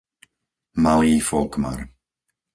Malý Folkmar